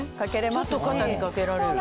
ちょっと肩に掛けられる。